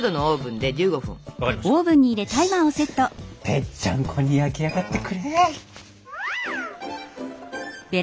ぺっちゃんこに焼き上がってくれ。